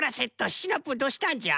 シナプーどうしたんじゃ？